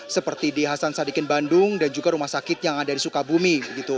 seperti di hasan sadikin bandung dan juga rumah sakit yang ada di sukabumi